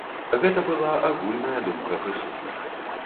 Гэта была агульная думка прысутных.